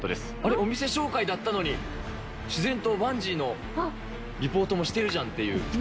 お店紹介だったのに、自然とバンジーのリポートもしてるじゃんっていう。